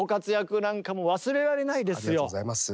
ありがとうございます。